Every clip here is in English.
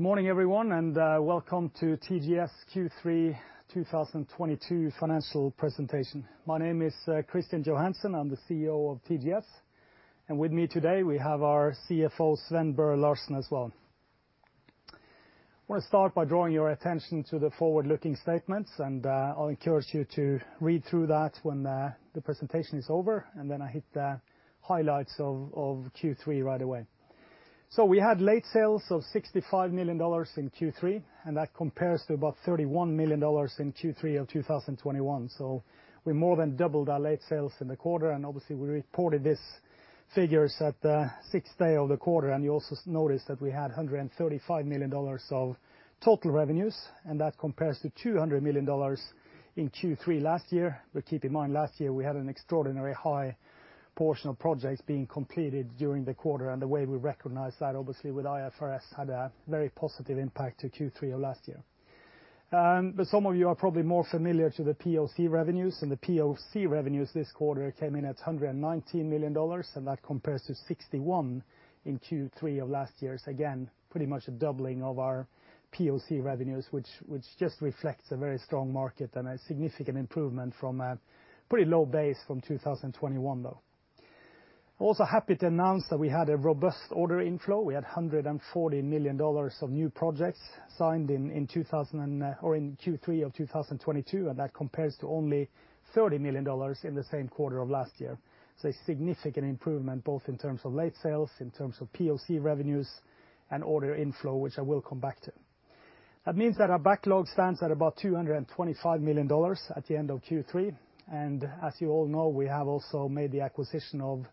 Good morning, everyone, and welcome to TGS Q3 2022 Financial Presentation. My name is Kristian Johansen. I'm the CEO of TGS. With me today we have our CFO, Sven Børre Larsen, as well. I wanna start by drawing your attention to the forward-looking statements, and I'll encourage you to read through that when the presentation is over, and then I hit the highlights of Q3 right away. We had late sales of $65 million in Q3, and that compares to about $31 million in Q3 of 2021. We more than doubled our late sales in the quarter, and obviously we reported these figures at the sixth day of the quarter. You also notice that we had $135 million of total revenues, and that compares to $200 million in Q3 last year. Keep in mind last year we had an extraordinarily high portion of projects being completed during the quarter, and the way we recognize that, obviously with IFRS, had a very positive impact to Q3 of last year. Some of you are probably more familiar with the POC revenues, and the POC revenues this quarter came in at $119 million, and that compares to $61 million in Q3 of last year. Again, pretty much a doubling of our POC revenues, which just reflects a very strong market and a significant improvement from a pretty low base from 2021 though. Also happy to announce that we had a robust order inflow. We had $140 million of new projects signed in or in Q3 of 2022, and that compares to only $30 million in the same quarter of last year. A significant improvement, both in terms of late sales, in terms of POC revenues, and order inflow, which I will come back to. That means that our backlog stands at about $225 million at the end of Q3. As you all know, we have also made the acquisition of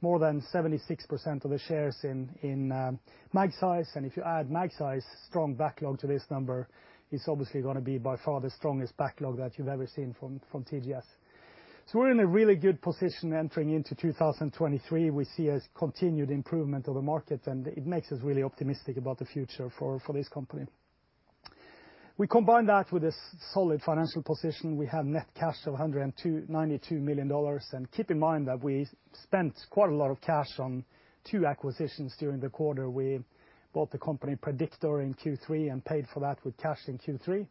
more than 76% of the shares in Magseis. If you add Magseis' strong backlog to this number, it's obviously gonna be by far the strongest backlog that you've ever seen from TGS. We're in a really good position entering into 2023. We see a continued improvement of the market, and it makes us really optimistic about the future for this company. We combine that with a solid financial position. We have net cash of $92 million. Keep in mind that we spent quite a lot of cash on two acquisitions during the quarter. We bought the company Prediktor in Q3 and paid for that with cash in Q3.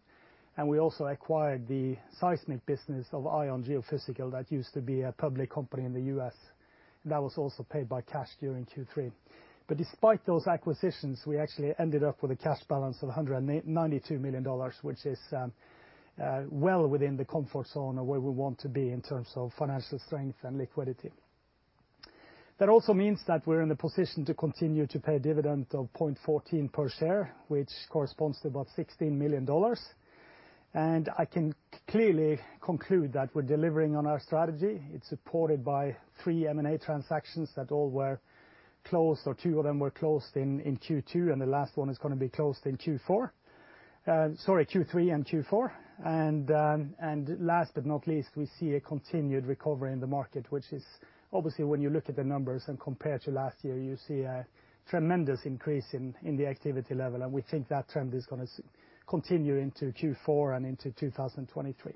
We also acquired the seismic business of ION Geophysical that used to be a public company in the U.S., and that was also paid by cash during Q3. Despite those acquisitions, we actually ended up with a cash balance of $92 million, which is well within the comfort zone of where we want to be in terms of financial strength and liquidity. That also means that we're in a position to continue to pay a dividend of 0.14 per share, which corresponds to about $16 million. I can clearly conclude that we're delivering on our strategy. It's supported by three M&A transactions that all were closed, or two of them were closed in Q2, and the last one is gonna be closed in Q4. Q3 and Q4. Last but not least, we see a continued recovery in the market, which is obviously when you look at the numbers and compare to last year, you see a tremendous increase in the activity level. We think that trend is gonna continue into Q4 and into 2023.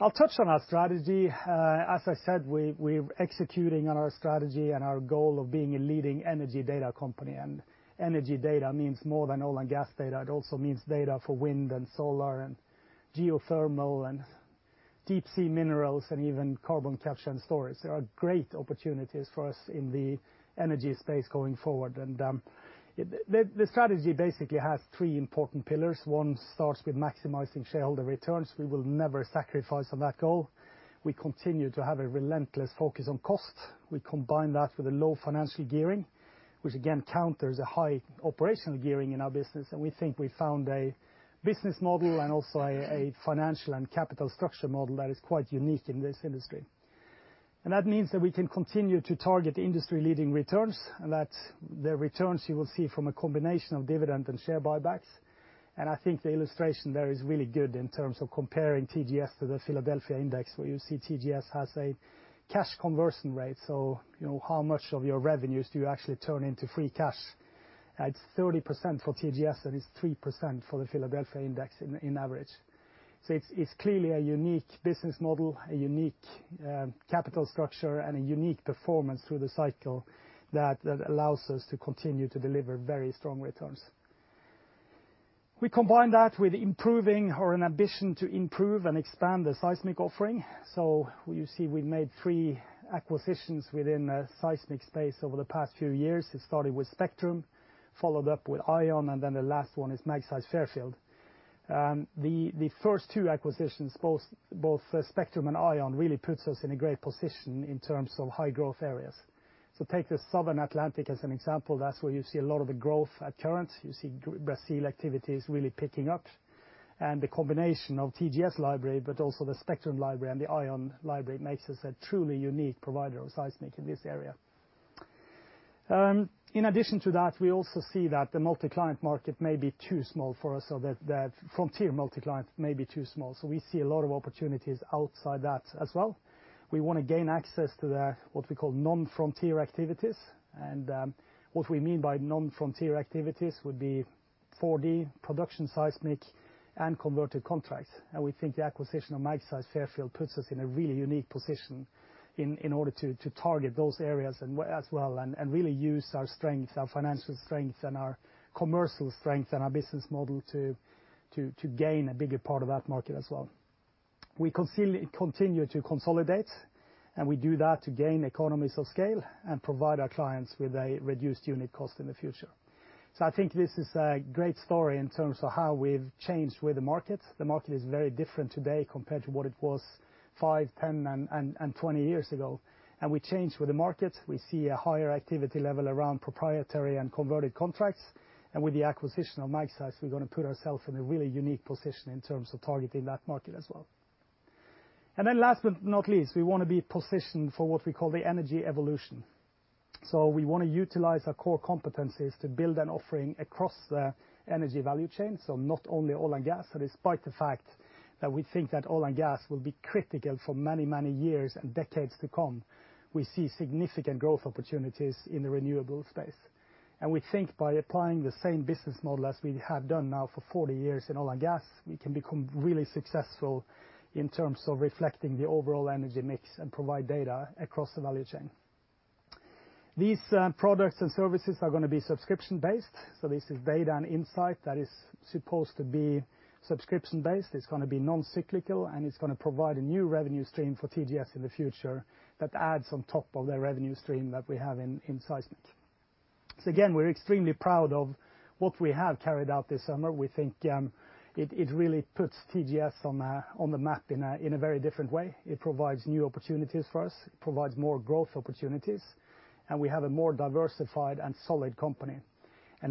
I'll touch on our strategy. As I said, we're executing on our strategy and our goal of being a leading energy data company. Energy data means more than oil and gas data. It also means data for wind and solar and geothermal and deep sea minerals, and even carbon capture and storage. There are great opportunities for us in the energy space going forward. The strategy basically has three important pillars. One starts with maximizing shareholder returns. We will never sacrifice on that goal. We continue to have a relentless focus on cost. We combine that with a low financial gearing, which again counters a high operational gearing in our business. We think we found a business model and also a financial and capital structure model that is quite unique in this industry. That means that we can continue to target industry-leading returns, and that's the returns you will see from a combination of dividend and share buybacks. I think the illustration there is really good in terms of comparing TGS to the [PHLX Oil Service Sector Index], where you see TGS has a cash conversion rate. You know, how much of your revenues do you actually turn into free cash? It's 30% for TGS, and it's 3% for the [PHLX Oil Service Sector Index] in average. It's clearly a unique business model, a unique capital structure, and a unique performance through the cycle that allows us to continue to deliver very strong returns. We combine that with improving or an ambition to improve and expand the seismic offering. You see we've made three acquisitions within the seismic space over the past few years. It started with Spectrum, followed up with ION, and then the last one is Magseis Fairfield. The first two acquisitions, both Spectrum and ION, really puts us in a great position in terms of high-growth areas. Take the South Atlantic as an example. That's where you see a lot of the growth currently. You see, Brazil activity is really picking up. The combination of TGS library, but also the Spectrum library and the ION library, makes us a truly unique provider of seismic in this area. In addition to that, we also see that the multi-client market may be too small for us, so the frontier multi-client may be too small. We see a lot of opportunities outside that as well. We want to gain access to the, what we call, non-frontier activities. What we mean by non-frontier activities would be 4D production seismic and converted contracts. We think the acquisition of Magseis Fairfield puts us in a really unique position in order to target those areas and as well and really use our strength, our financial strength, and our commercial strength, and our business model to gain a bigger part of that market as well. We continue to consolidate, and we do that to gain economies of scale and provide our clients with a reduced unit cost in the future. I think this is a great story in terms of how we've changed with the market. The market is very different today compared to what it was five, 10, and 20 years ago. We changed with the market. We see a higher activity level around proprietary and converted contracts. With the acquisition of Magseis, we're gonna put ourself in a really unique position in terms of targeting that market as well. Last but not least, we wanna be positioned for what we call the energy evolution. We wanna utilize our core competencies to build an offering across the energy value chain, so not only oil and gas. Despite the fact that we think that oil and gas will be critical for many, many years and decades to come, we see significant growth opportunities in the renewable space. We think by applying the same business model as we have done now for 40 years in oil and gas, we can become really successful in terms of reflecting the overall energy mix and provide data across the value chain. These products and services are gonna be subscription-based. This is data and insight that is supposed to be subscription-based. It's gonna be non-cyclical, and it's gonna provide a new revenue stream for TGS in the future that adds on top of the revenue stream that we have in seismic. Again, we're extremely proud of what we have carried out this summer. We think it really puts TGS on the map in a very different way. It provides new opportunities for us. It provides more growth opportunities, and we have a more diversified and solid company.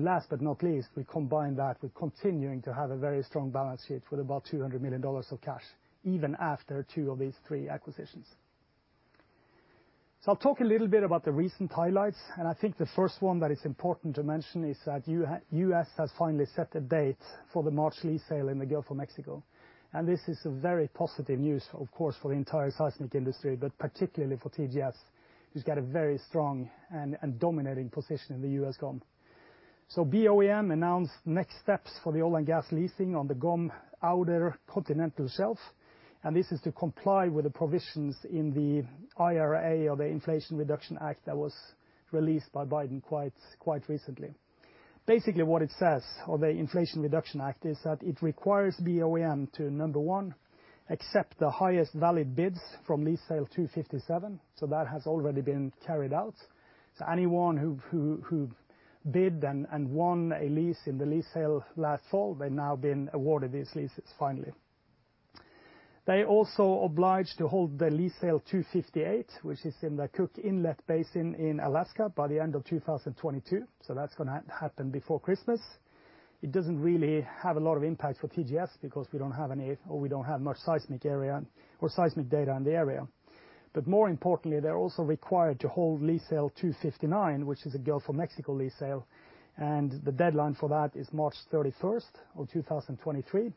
Last but not least, we combine that with continuing to have a very strong balance sheet with about $200 million of cash, even after two of these three acquisitions. I'll talk a little bit about the recent highlights, and I think the first one that is important to mention is that U.S. has finally set a date for the March lease sale in the Gulf of Mexico. This is a very positive news, of course, for the entire seismic industry, but particularly for TGS, who's got a very strong and dominating position in the U.S. GOM. BOEM announced next steps for the oil and gas leasing on the GOM Outer Continental Shelf, and this is to comply with the provisions in the IRA or the Inflation Reduction Act that was released by Biden quite recently. Basically, what it says, or the Inflation Reduction Act, is that it requires BOEM to, number one, accept the highest valid bids from Lease Sale 257, so that has already been carried out. Anyone who bid and won a lease in the lease sale last fall, they've now been awarded these leases finally. They also obligated to hold the Lease Sale 258, which is in the Cook Inlet in Alaska, by the end of 2022, that's gonna happen before Christmas. It doesn't really have a lot of impact for TGS because we don't have any or we don't have much seismic area or seismic data in the area. More importantly, they're also required to hold Lease Sale 259, which is a Gulf of Mexico lease sale, and the deadline for that is March 31st of 2023.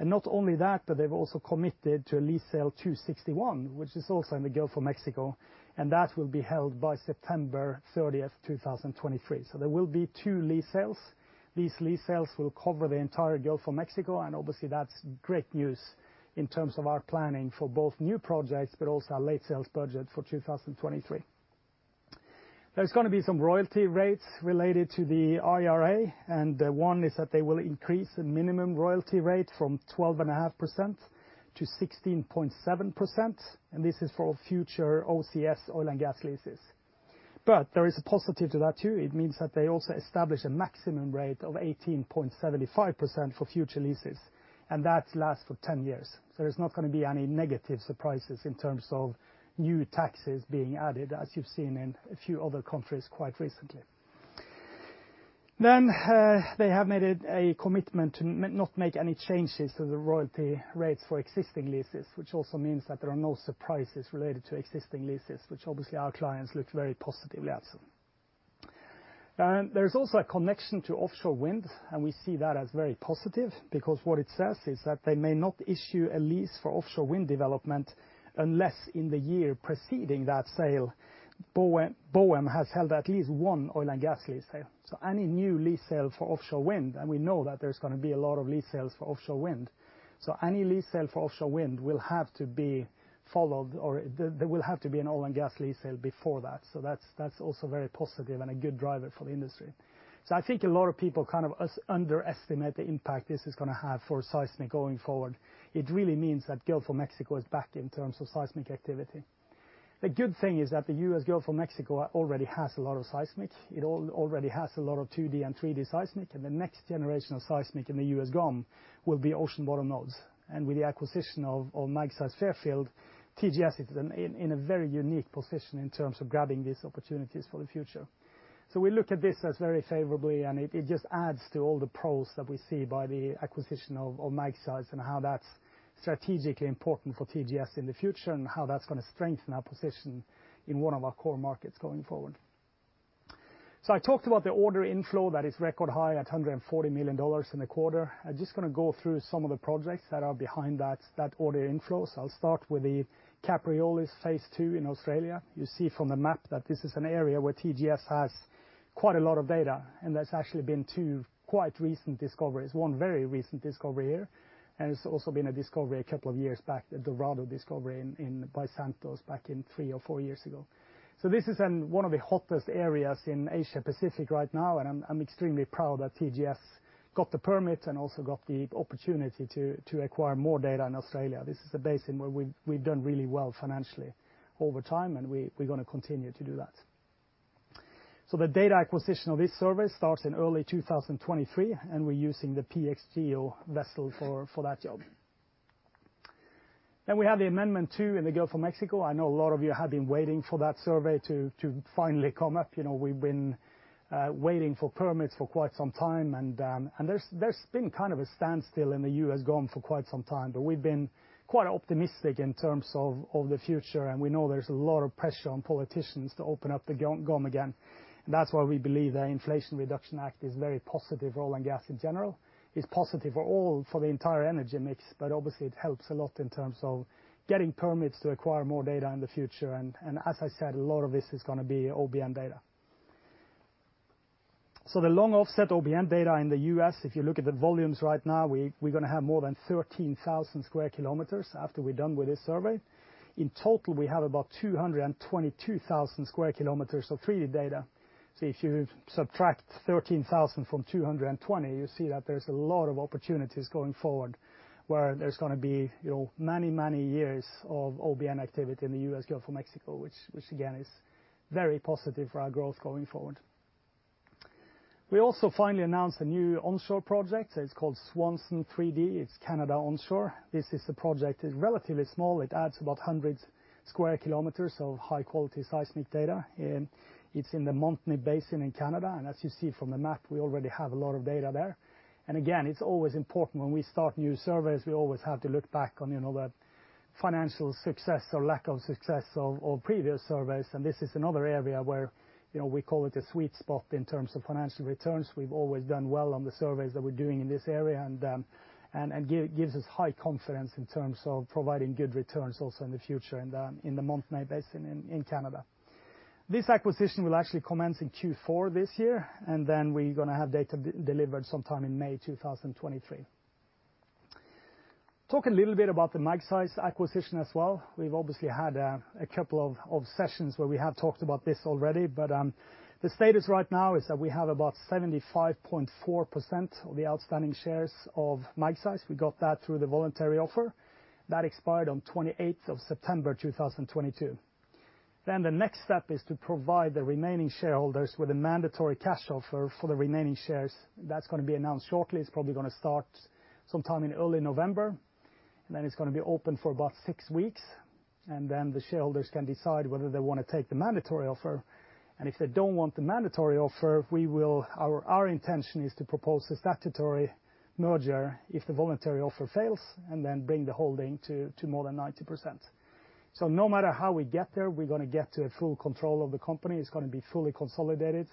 Not only that, they've also committed to Lease Sale 261, which is also in the Gulf of Mexico, and that will be held by September 30th, 2023. There will be two lease sales. These lease sales will cover the entire Gulf of Mexico, and obviously, that's great news in terms of our planning for both new projects but also our late sales budget for 2023. There's gonna be some royalty rates related to the IRA, and one is that they will increase the minimum royalty rate from 12.5%-16.7%, and this is for future OCS oil and gas leases. There is a positive to that too. It means that they also establish a maximum rate of 18.75% for future leases, and that lasts for 10 years. There's not gonna be any negative surprises in terms of new taxes being added, as you've seen in a few other countries quite recently. They have made a commitment to not make any changes to the royalty rates for existing leases, which also means that there are no surprises related to existing leases, which obviously our clients look very positively at. There's also a connection to offshore wind, and we see that as very positive because what it says is that they may not issue a lease for offshore wind development unless in the year preceding that sale, BOEM has held at least one oil and gas lease sale. Any new lease sale for offshore wind, and we know that there's gonna be a lot of lease sales for offshore wind, so any lease sale for offshore wind will have to be followed or there will have to be an oil and gas lease sale before that. That's also very positive and a good driver for the industry. I think a lot of people kind of underestimate the impact this is gonna have for seismic going forward. It really means that Gulf of Mexico is back in terms of seismic activity. The good thing is that the U.S. Gulf of Mexico already has a lot of seismic. It already has a lot of 2D and 3D seismic, and the next generation of seismic in the U.S. GOM will be ocean bottom nodes. With the acquisition of Magseis Fairfield, TGS is in a very unique position in terms of grabbing these opportunities for the future. We look at this as very favorably, and it just adds to all the pros that we see by the acquisition of Magseis and how that's strategically important for TGS in the future and how that's gonna strengthen our position in one of our core markets going forward. I talked about the order inflow that is record high at $140 million in the quarter. I'm just gonna go through some of the projects that are behind that order inflow. I'll start with the Capreolus Phase II in Australia. You see from the map that this is an area where TGS has quite a lot of data, and that's actually been two quite recent discoveries. One very recent discovery here, and it's also been a discovery a couple of years back, the Dorado discovery made by Santos back in three or four years ago. This is in one of the hottest areas in Asia-Pacific right now, and I'm extremely proud that TGS got the permit and also got the opportunity to acquire more data in Australia. This is a basin where we've done really well financially over time, and we're gonna continue to do that. The data acquisition of this survey starts in early 2023, and we're using the PXGEO vessel for that job. We have the Amendment 2 in the Gulf of Mexico. I know a lot of you have been waiting for that survey to finally come up. You know, we've been waiting for permits for quite some time, and there's been kind of a standstill in the U.S. GOM for quite some time. We've been quite optimistic in terms of the future, and we know there's a lot of pressure on politicians to open up the GOM again. That's why we believe the Inflation Reduction Act is very positive for oil and gas in general. It's positive for all, for the entire energy mix, but obviously it helps a lot in terms of getting permits to acquire more data in the future and as I said, a lot of this is gonna be OBN data. The long offset OBN data in the U.S., if you look at the volumes right now, we're gonna have more than 13,000 sq km after we're done with this survey. In total, we have about 222,000 sq km of 3D data. If you subtract 13,000 from 220,000, you see that there's a lot of opportunities going forward, where there's gonna be, you know, many, many years of OBN activity in the U.S. Gulf of Mexico, which again is very positive for our growth going forward. We also finally announced a new onshore project. It's called Swanson 3D. It's Canada onshore. It's relatively small. It adds about 100 sq km of high-quality seismic data. It's in the Montney Basin in Canada. As you see from the map, we already have a lot of data there. Again, it's always important when we start new surveys, we always have to look back on, you know, the financial success or lack of success of previous surveys. This is another area where, you know, we call it the sweet spot in terms of financial returns. We've always done well on the surveys that we're doing in this area and gives us high confidence in terms of providing good returns also in the future in the Montney Basin in Canada. This acquisition will actually commence in Q4 this year, and then we're gonna have data be delivered sometime in May 2023. Talk a little bit about the Magseis acquisition as well. We've obviously had a couple of sessions where we have talked about this already. The status right now is that we have about 75.4% of the outstanding shares of Magseis. We got that through the voluntary offer. That expired on 28th of September 2022. The next step is to provide the remaining shareholders with a mandatory cash offer for the remaining shares. That's gonna be announced shortly. It's probably gonna start sometime in early November. It's gonna be open for about six weeks, and then the shareholders can decide whether they wanna take the mandatory offer. If they don't want the mandatory offer, we will. Our intention is to propose a statutory merger if the voluntary offer fails and then bring the holding to more than 90%. No matter how we get there, we're gonna get to a full control of the company. It's gonna be fully consolidated.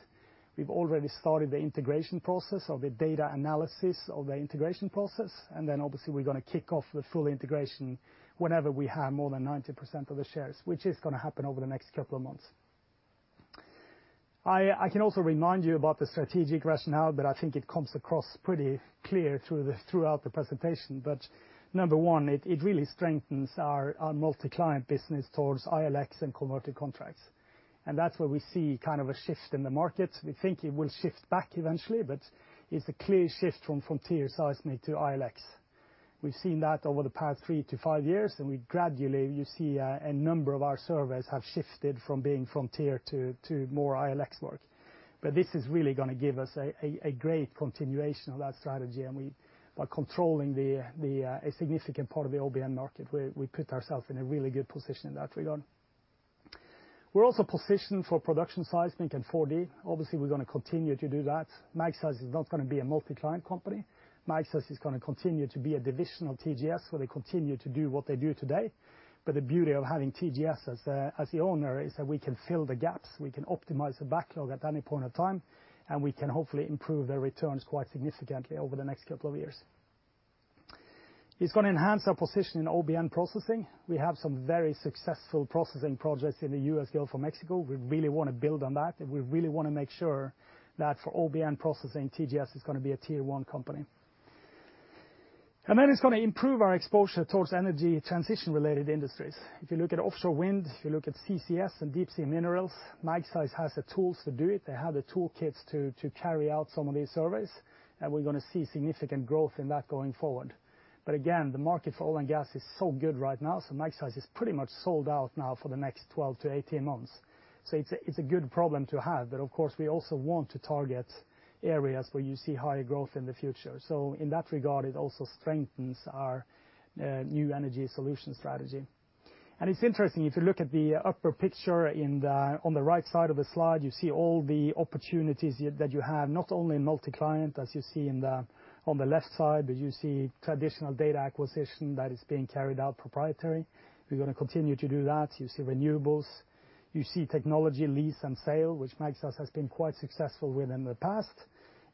We've already started the integration process of the data analysis of the integration process, and then obviously we're gonna kick off the full integration whenever we have more than 90% of the shares, which is gonna happen over the next couple of months. I can also remind you about the strategic rationale, but I think it comes across pretty clear throughout the presentation. Number one, it really strengthens our multi-client business towards ILX and converted contracts. That's where we see kind of a shift in the market. We think it will shift back eventually, but it's a clear shift from frontier seismic to ILX. We've seen that over the past three-five years, and gradually you see a number of our surveys have shifted from being frontier to more ILX work. This is really gonna give us a great continuation of that strategy, and we, by controlling a significant part of the OBN market, we put ourselves in a really good position in that regard. We're also positioned for production seismic and 4D. Obviously, we're gonna continue to do that. Magseis is not gonna be a multi-client company. Magseis is gonna continue to be a division of TGS, where they continue to do what they do today. The beauty of having TGS as the owner is that we can fill the gaps, we can optimize the backlog at any point of time, and we can hopefully improve their returns quite significantly over the next couple of years. It's gonna enhance our position in OBN processing. We have some very successful processing projects in the U.S. Gulf of Mexico. We really wanna build on that, and we really wanna make sure that for OBN processing, TGS is gonna be a tier-one company. It's gonna improve our exposure towards energy transition-related industries. If you look at offshore wind, if you look at CCS and deep-sea minerals, Magseis has the tools to do it. They have the toolkits to carry out some of these surveys, and we're gonna see significant growth in that going forward. Again, the market for oil and gas is so good right now, so Magseis is pretty much sold out now for the next 12-18 months. It's a good problem to have. Of course, we also want to target areas where you see higher growth in the future. In that regard, it also strengthens our New Energy Solutions strategy. It's interesting, if you look at the upper picture in the on the right side of the slide, you see all the opportunities that you have, not only in multi-client, as you see in the on the left side, but you see traditional data acquisition that is being carried out proprietary. We're gonna continue to do that. You see renewables. You see technology lease and sale, which Magseis has been quite successful with in the past.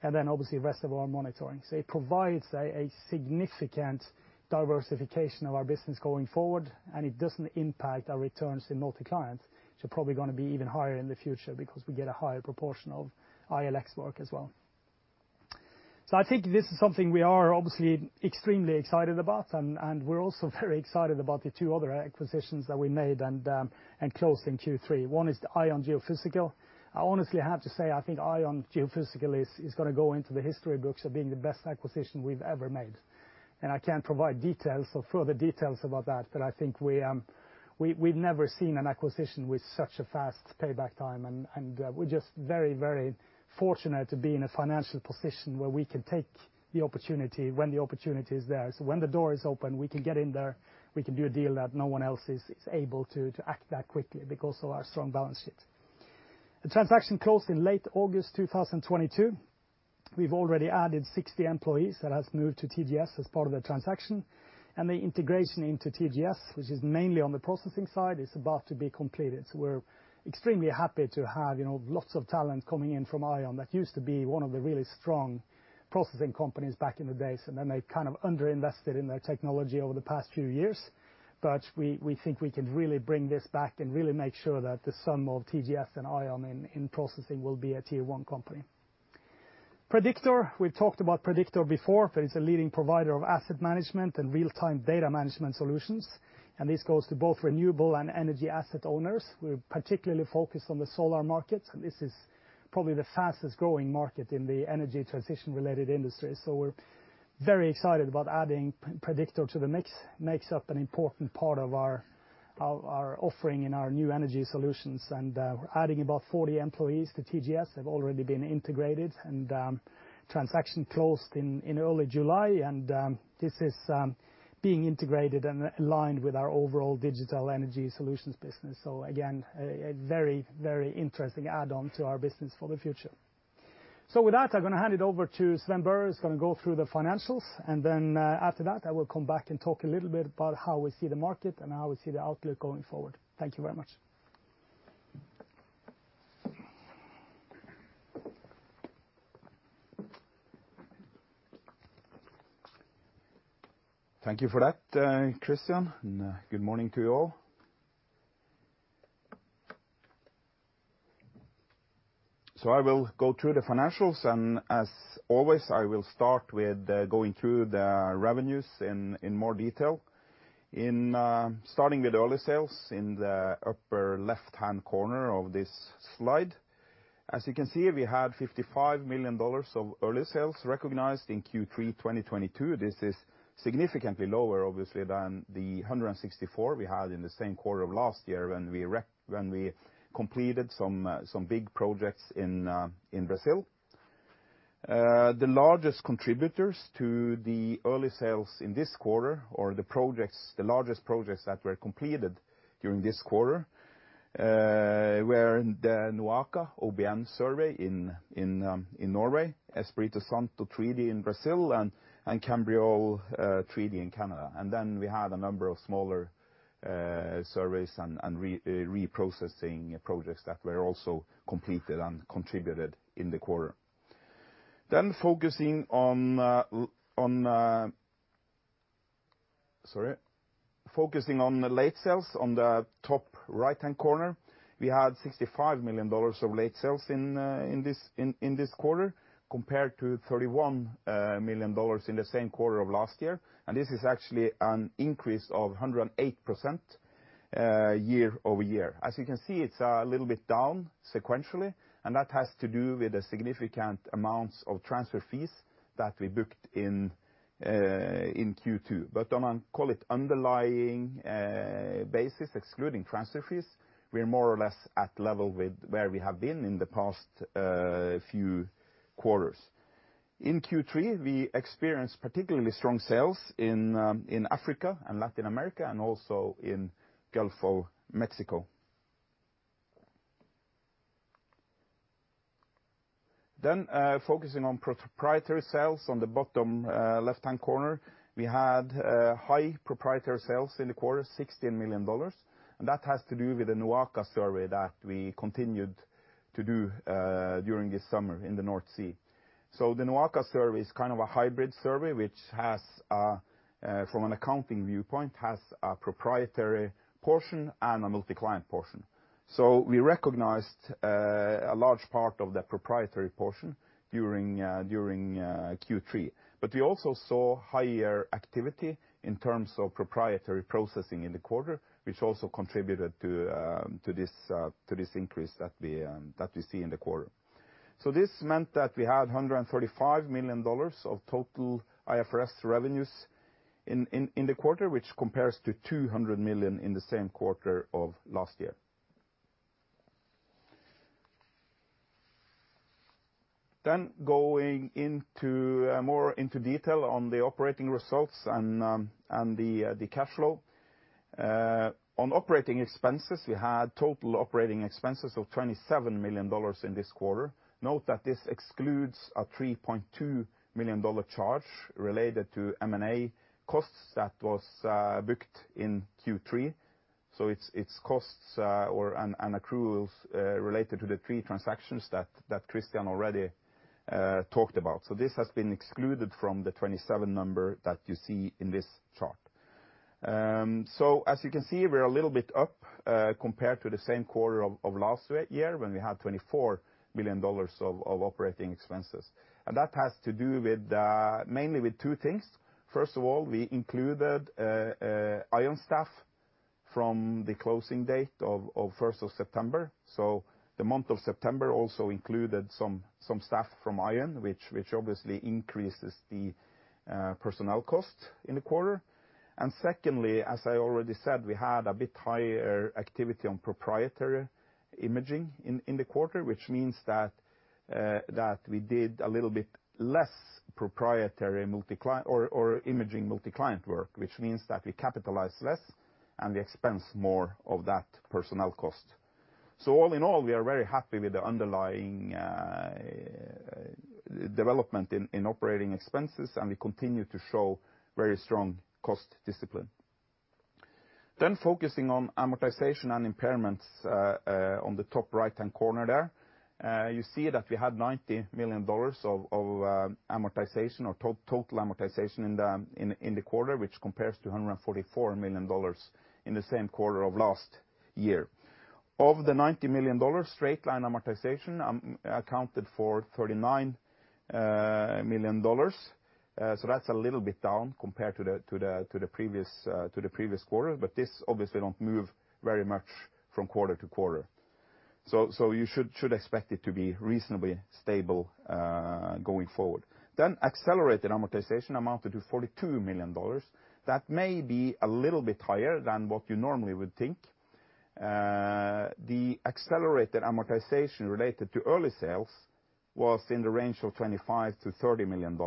Then obviously the rest of our monitoring. It provides a significant diversification of our business going forward, and it doesn't impact our returns in multi-client. Probably gonna be even higher in the future because we get a higher proportion of ILX work as well. I think this is something we are obviously extremely excited about, and we're also very excited about the two other acquisitions that we made and closed in Q3. One is the ION Geophysical. I honestly have to say, I think ION Geophysical is gonna go into the history books of being the best acquisition we've ever made. I can't provide details or further details about that, but I think we've never seen an acquisition with such a fast payback time and we're just very, very fortunate to be in a financial position where we can take the opportunity when the opportunity is there. When the door is open, we can get in there, we can do a deal that no one else is able to act that quickly because of our strong balance sheet. The transaction closed in late August 2022. We've already added 60 employees that has moved to TGS as part of the transaction, and the integration into TGS, which is mainly on the processing side, is about to be completed. We're extremely happy to have, you know, lots of talent coming in from ION. That used to be one of the really strong processing companies back in the days, and then they've kind of underinvested in their technology over the past few years. We think we can really bring this back and really make sure that the sum of TGS and ION in processing will be a tier-one company. Prediktor. We've talked about Prediktor before. It's a leading provider of asset management and real-time data management solutions, and this goes to both renewable and energy asset owners. We're particularly focused on the solar market, and this is probably the fastest-growing market in the energy transition-related industry. We're very excited about adding Prediktor to the mix. It makes up an important part of our offering in our New Energy Solutions, and we're adding about 40 employees to TGS. They've already been integrated and transaction closed in early July, and this is being integrated and aligned with our overall Digital Energy Solutions business. Again, a very interesting add-on to our business for the future. With that, I'm gonna hand it over to Sven Børre Larsen, who's gonna go through the financials, and then after that I will come back and talk a little bit about how we see the market and how we see the outlook going forward. Thank you very much. Thank you for that, Kristian, and, good morning to you all. I will go through the financials, and as always, I will start with, going through the revenues in more detail. In starting with early sales in the upper left-hand corner of this slide. As you can see, we had $55 million of early sales recognized in Q3 2022. This is significantly lower, obviously, than the $164 million we had in the same quarter of last year when we completed some big projects in Brazil. The largest contributors to the early sales in this quarter, or the projects, the largest projects that were completed during this quarter, were the NOAKA OBN survey in Norway, Espirito Santo 3D in Brazil, and Cambriol 3D in Canada. We had a number of smaller surveys and reprocessing projects that were also completed and contributed in the quarter. Focusing on the late sales on the top right-hand corner, we had $65 million of late sales in this quarter, compared to $31 million in the same quarter of last year, and this is actually an increase of 108% year-over-year. As you can see, it's a little bit down sequentially, and that has to do with the significant amounts of transfer fees that we booked in Q2. On a clean underlying basis, excluding transfer fees, we're more or less at level with where we have been in the past few quarters. In Q3, we experienced particularly strong sales in Africa and Latin America and also in Gulf of Mexico. Focusing on proprietary sales on the bottom left-hand corner, we had high proprietary sales in the quarter, $16 million, and that has to do with the NOAKA survey that we continued to do during this summer in the North Sea. The NOAKA survey is kind of a hybrid survey, which has from an accounting viewpoint a proprietary portion and a multi-client portion. We recognized a large part of the proprietary portion during Q3. We also saw higher activity in terms of proprietary processing in the quarter, which also contributed to this increase that we see in the quarter. This meant that we had $135 million of total IFRS revenues in the quarter, which compares to $200 million in the same quarter of last year. Going into more detail on the operating results and the cash flow. On operating expenses, we had total operating expenses of $27 million in this quarter. Note that this excludes a $3.2 million charge related to M&A costs that was booked in Q3. It's costs and accruals related to the three transactions that Kristian already talked about. This has been excluded from the 27 number that you see in this chart. As you can see, we're a little bit up compared to the same quarter of last year, when we had $24 million of operating expenses. That has to do with mainly with two things. First of all, we included ION staff from the closing date of first of September. The month of September also included some staff from ION, which obviously increases the personnel cost in the quarter. Secondly, as I already said, we had a bit higher activity on proprietary imaging in the quarter, which means that we did a little bit less proprietary multi-client or imaging multi-client work, which means that we capitalize less, and we expense more of that personnel cost. All in all, we are very happy with the underlying development in operating expenses, and we continue to show very strong cost discipline. Focusing on amortization and impairments on the top right-hand corner there. You see that we had $90 million of total amortization in the quarter, which compares to $144 million in the same quarter of last year. Of the $90 million, straight-line amortization accounted for $39 million. So that's a little bit down compared to the previous quarter, but this obviously don't move very much from quarter to quarter. You should expect it to be reasonably stable going forward. Then accelerated amortization amounted to $42 million. That may be a little bit higher than what you normally would think. The accelerated amortization related to early sales was in the range of $25 million-$30 million.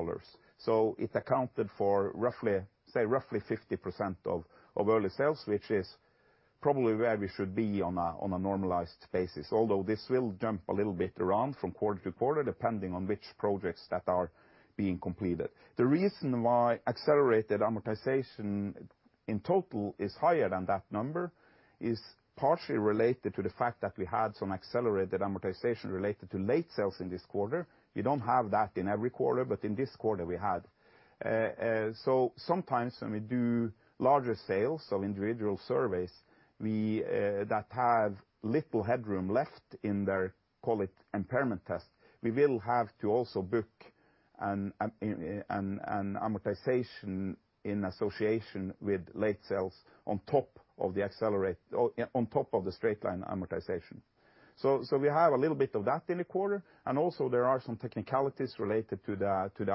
It accounted for roughly, say roughly 50% of early sales, which is probably where we should be on a normalized basis. Although this will jump a little bit around from quarter to quarter, depending on which projects that are being completed. The reason why accelerated amortization in total is higher than that number is partially related to the fact that we had some accelerated amortization related to late sales in this quarter. We don't have that in every quarter, but in this quarter we had. Sometimes when we do larger sales of individual surveys, we that have little headroom left in their, call it impairment test, we will have to also book an amortization in association with late sales on top of the straight-line amortization. We have a little bit of that in the quarter. There are also some technicalities related to the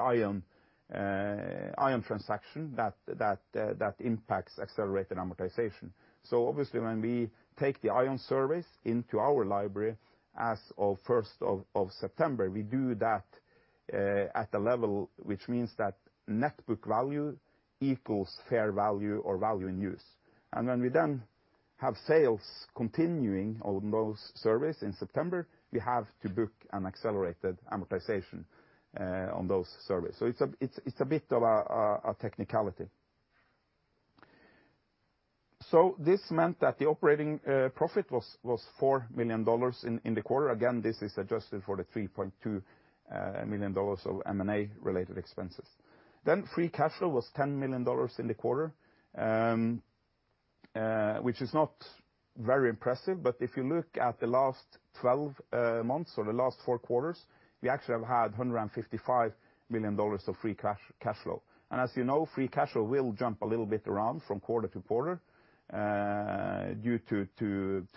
ION transaction that impacts accelerated amortization. Obviously when we take the ION surveys into our library as of 1st of September, we do that at a level which means that net book value equals fair value or value in use. When we then have sales continuing on those surveys in September, we have to book an accelerated amortization on those surveys. It's a bit of a technicality. This meant that the operating profit was $4 million in the quarter. Again, this is adjusted for the $3.2 million of M&A-related expenses. Free cash flow was $10 million in the quarter, which is not very impressive. If you look at the last twelve months or the last four quarters, we actually have had $155 million of free cash flow. As you know, free cash flow will jump a little bit around from quarter to quarter due to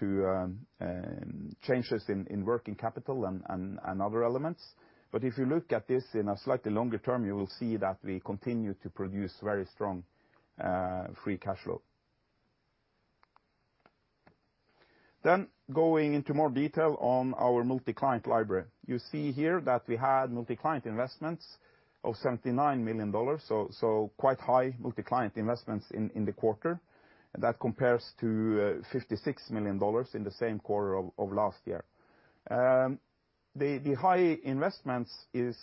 changes in working capital and other elements. If you look at this in a slightly longer term, you will see that we continue to produce very strong free cash flow. Going into more detail on our multi-client library. You see here that we had multi-client investments of $79 million, so quite high multi-client investments in the quarter. That compares to $56 million in the same quarter of last year. The high investments is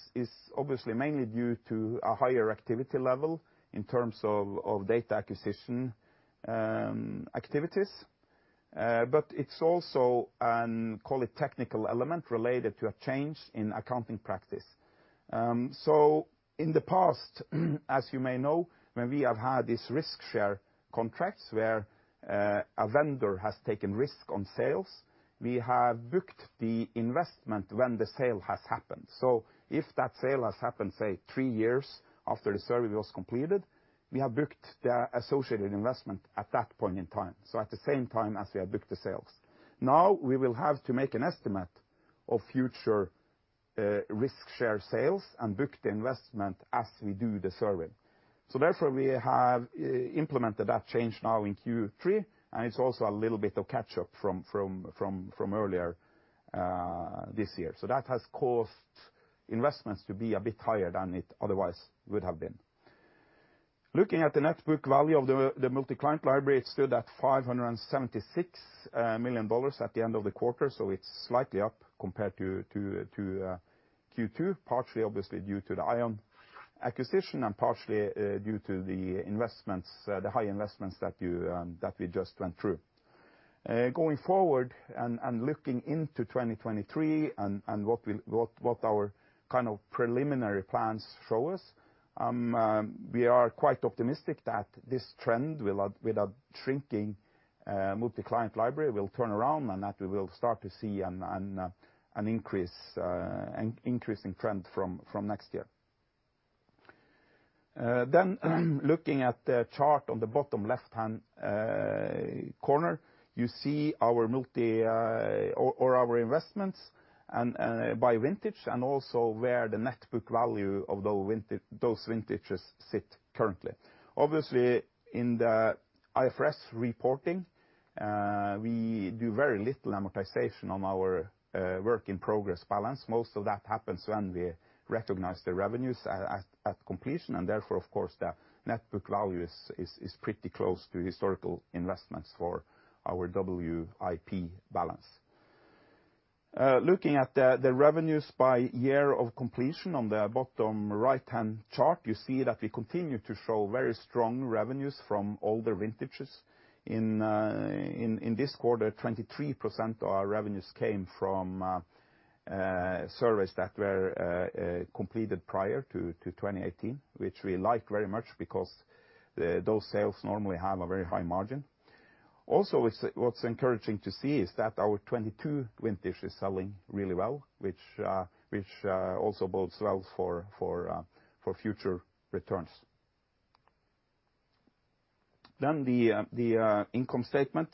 obviously mainly due to a higher activity level in terms of data acquisition activities. It's also a call it technical element related to a change in accounting practice. In the past, as you may know, when we have had these risk share contracts where a vendor has taken risk on sales, we have booked the investment when the sale has happened. If that sale has happened, say three years after the survey was completed, we have booked the associated investment at that point in time. At the same time as we have booked the sales. Now we will have to make an estimate of future risk share sales and book the investment as we do the survey. We have implemented that change now in Q3, and it's also a little bit of catch-up from earlier this year. That has caused investments to be a bit higher than it otherwise would have been. Looking at the net book value of the multi-client library, it stood at $576 million at the end of the quarter. It's slightly up compared to Q2, partially obviously due to the ION acquisition, and partially due to the investments, the high investments that we just went through. Going forward and looking into 2023 and what our kind of preliminary plans show us, we are quite optimistic that this trend with a shrinking multi-client library will turn around and that we will start to see an increase, an increasing trend from next year. Looking at the chart on the bottom left-hand corner, you see our multi-client investments and by vintage and also where the net book value of those vintages sit currently. Obviously in the IFRS reporting, we do very little amortization on our work in progress balance. Most of that happens when we recognize the revenues at completion, and therefore of course the net book value is pretty close to historical investments for our WIP balance. Looking at the revenues by year of completion on the bottom right-hand chart, you see that we continue to show very strong revenues from older vintages. In this quarter, 23% of our revenues came from surveys that were completed prior to 2018, which we like very much because those sales normally have a very high margin. Also, what's encouraging to see is that our 2022 vintage is selling really well, which also bodes well for future returns. The income statement.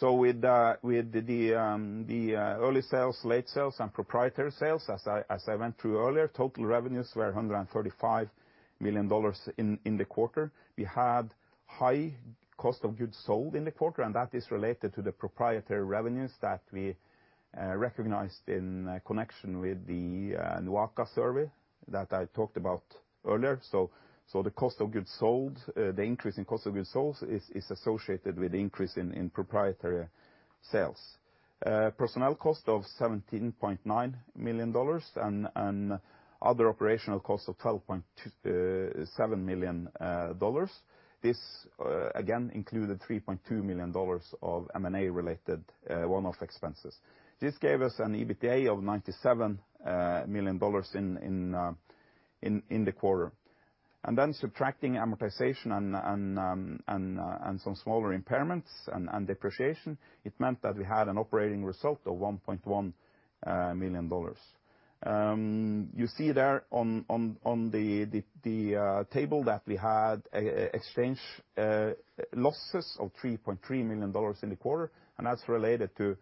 With the early sales, late sales, and proprietary sales, as I went through earlier, total revenues were $135 million in the quarter. We had high cost of goods sold in the quarter, and that is related to the proprietary revenues that we recognized in connection with the NOAKA survey that I talked about earlier. So the cost of goods sold, the increase in cost of goods sold is associated with increase in proprietary sales. Personnel cost of $17.9 million and other operational costs of $17 million. This again included $3.2 million of M&A-related one-off expenses. This gave us an EBITDA of $97 million in the quarter. Subtracting amortization and some smaller impairments and depreciation, it meant that we had an operating result of $1.1 million. You see there on the table that we had an exchange losses of $3.3 million in the quarter, and that's related to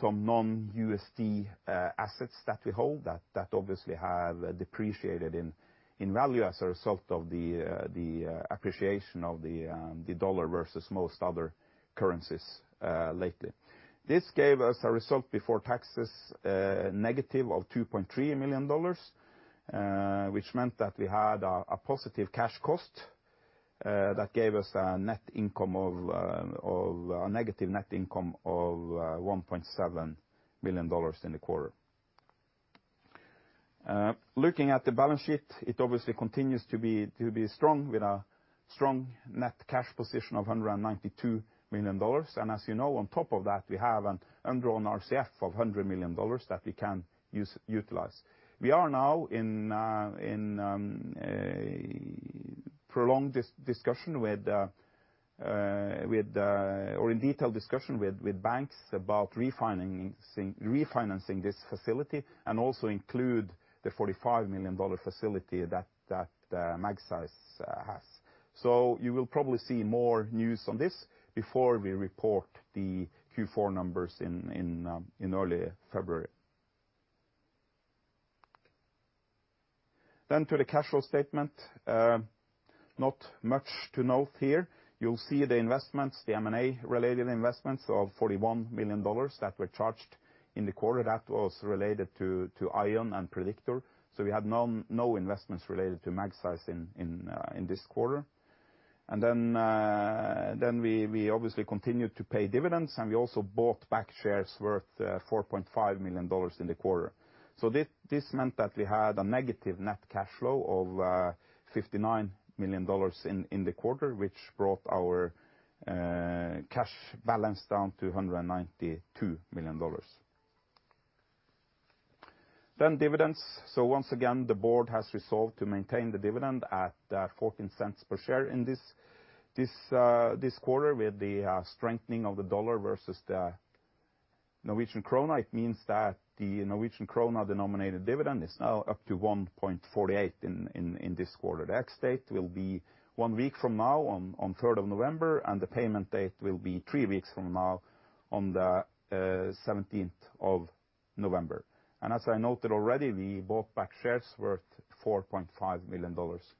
some non-USD assets that we hold that obviously have depreciated in value as a result of the appreciation of the dollar versus most other currencies lately. This gave us a result before taxes negative of $2.3 million, which meant that we had a positive cash tax that gave us a net income of a negative net income of $1.7 million in the quarter. Looking at the balance sheet, it obviously continues to be strong with a strong net cash position of $192 million. As you know, on top of that, we have an undrawn RCF of $100 million that we can use, utilize. We are now in a detailed discussion with banks about refinancing this facility and also include the $45 million facility that Magseis has. You will probably see more news on this before we report the Q4 numbers in early February. To the cash flow statement. Not much to note here. You'll see the investments, the M&A-related investments of $41 million that were charged in the quarter. That was related to ION and Prediktor. We had no investments related to Magseis in this quarter. We obviously continued to pay dividends, and we also bought back shares worth $4.5 million in the quarter. This meant that we had a negative net cash flow of $59 million in the quarter, which brought our cash balance down to $192 million. Dividends. Once again, the board has resolved to maintain the dividend at $0.14 per share in this quarter. With the strengthening of the dollar versus the Norwegian krone, it means that the Norwegian krone-denominated dividend is now up to 1.48 in this quarter. The ex-date will be one week from now on 3rd of November, and the payment date will be three weeks from now on the 17th of November. As I noted already, we bought back shares worth $4.5 million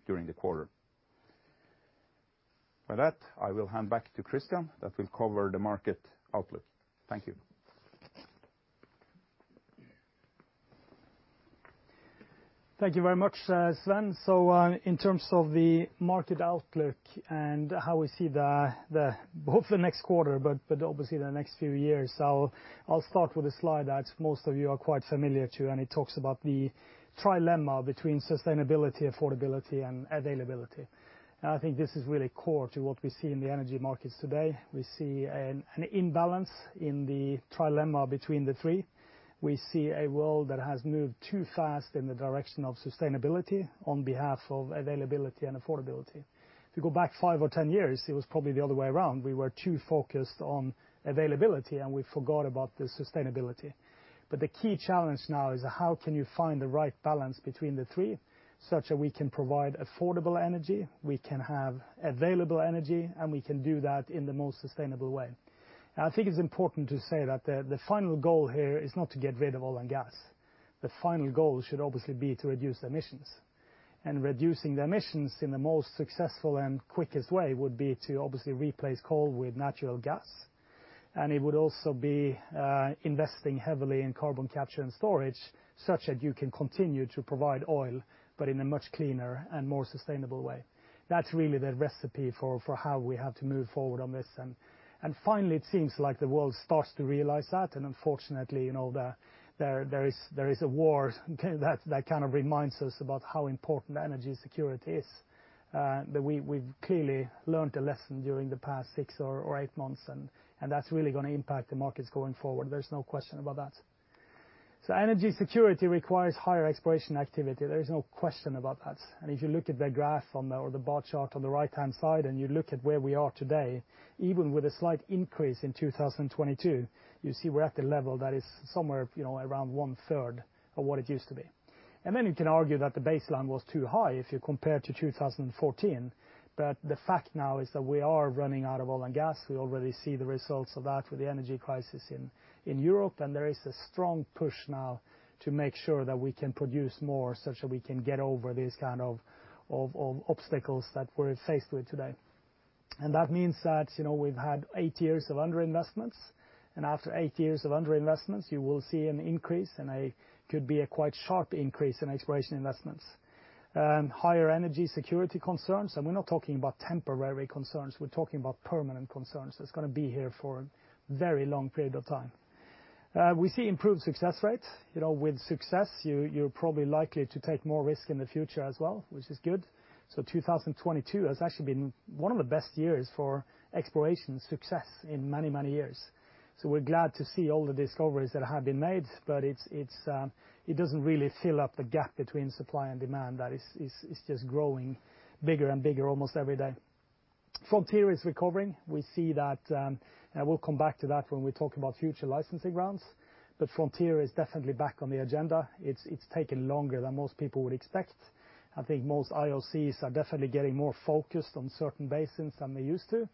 during the quarter. With that, I will hand back to Kristian that will cover the market outlook. Thank you. Thank you very much, Sven. In terms of the market outlook and how we see both the next quarter, but obviously the next few years. I'll start with a slide that most of you are quite familiar with, and it talks about the trilemma between sustainability, affordability, and availability. I think this is really core to what we see in the energy markets today. We see an imbalance in the trilemma between the three. We see a world that has moved too fast in the direction of sustainability at the expense of availability and affordability. If you go back five or 10 years, it was probably the other way around. We were too focused on availability, and we forgot about the sustainability. The key challenge now is how can you find the right balance between the three, such that we can provide affordable energy, we can have available energy, and we can do that in the most sustainable way. Now, I think it's important to say that the final goal here is not to get rid of oil and gas. The final goal should obviously be to reduce emissions. Reducing the emissions in the most successful and quickest way would be to obviously replace coal with natural gas. It would also be investing heavily in carbon capture and storage such that you can continue to provide oil but in a much cleaner and more sustainable way. That's really the recipe for how we have to move forward on this. Finally, it seems like the world starts to realize that. Unfortunately, you know, there is a war that kind of reminds us about how important energy security is. That we've clearly learned a lesson during the past six or eight months, and that's really gonna impact the markets going forward. There's no question about that. Energy security requires higher exploration activity. There is no question about that. If you look at the bar chart on the right-hand side, and you look at where we are today, even with a slight increase in 2022, you see we're at the level that is somewhere, you know, around one-third of what it used to be. Then you can argue that the baseline was too high if you compare to 2014. The fact now is that we are running out of oil and gas. We already see the results of that with the energy crisis in Europe, and there is a strong push now to make sure that we can produce more such that we can get over these kind of obstacles that we're faced with today. That means that, you know, we've had eight years of underinvestments. After eight years of underinvestments, you will see an increase, and could be a quite sharp increase in exploration investments. Higher energy security concerns, and we're not talking about temporary concerns. We're talking about permanent concerns. That's gonna be here for a very long period of time. We see improved success rates. You know, with success, you're probably likely to take more risk in the future as well, which is good. 2022 has actually been one of the best years for exploration success in many, many years. We're glad to see all the discoveries that have been made, but it doesn't really fill up the gap between supply and demand that is just growing bigger and bigger almost every day. Frontier is recovering. We see that, and we'll come back to that when we talk about future licensing rounds. Frontier is definitely back on the agenda. It's taken longer than most people would expect. I think most IOCs are definitely getting more focused on certain basins than they used to.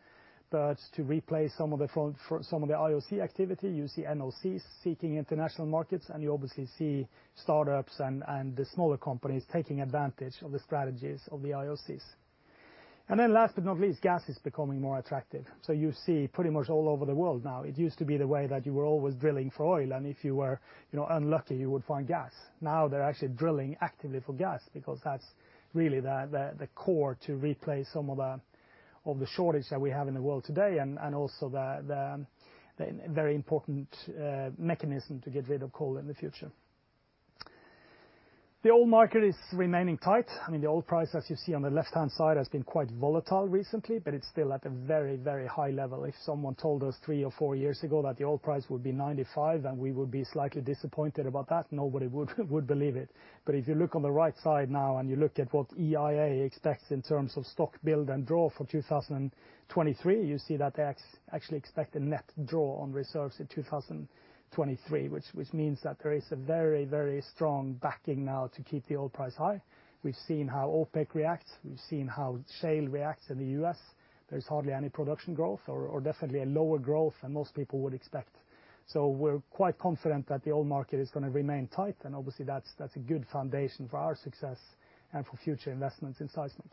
To replace some of the IOC activity, you see NOCs seeking international markets. You obviously see startups and the smaller companies taking advantage of the strategies of the IOCs. Then last but not least, gas is becoming more attractive. You see pretty much all over the world now. It used to be the way that you were always drilling for oil. If you were, you know, unlucky, you would find gas. Now they're actually drilling actively for gas because that's really the core to replace some of the shortage that we have in the world today and also the very important mechanism to get rid of coal in the future. The oil market is remaining tight. I mean, the oil price, as you see on the left-hand side, has been quite volatile recently, but it's still at a very, very high level. If someone told us three or four years ago that the oil price would be $95, and we would be slightly disappointed about that, nobody would believe it. If you look on the right side now and you look at what EIA expects in terms of stock build and draw for 2023, you see that they actually expect a net draw on reserves in 2023, which means that there is a very, very strong backing now to keep the oil price high. We've seen how OPEC reacts. We've seen how shale reacts in the U.S. There's hardly any production growth or definitely a lower growth than most people would expect. We're quite confident that the oil market is gonna remain tight. Obviously that's a good foundation for our success and for future investments in seismic.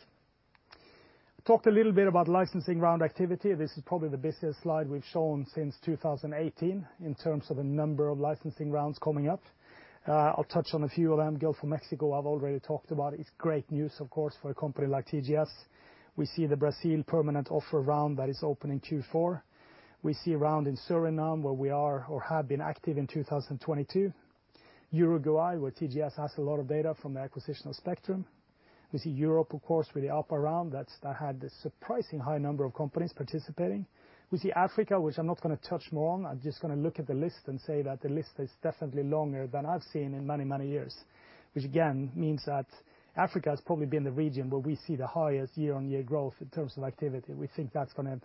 Talked a little bit about licensing round activity. This is probably the busiest slide we've shown since 2018 in terms of the number of licensing rounds coming up. I'll touch on a few of them. Gulf of Mexico I've already talked about. It's great news, of course, for a company like TGS. We see the Brazil permanent offer round that is open in Q4. We see a round in Suriname where we are or have been active in 2022. Uruguay, where TGS has a lot of data from the acquisition of Spectrum. We see Europe, of course, with the APA round that had a surprising high number of companies participating. We see Africa, which I'm not gonna touch more on. I'm just gonna look at the list and say that the list is definitely longer than I've seen in many, many years. Which again means that Africa has probably been the region where we see the highest year-on-year growth in terms of activity. We think that's gonna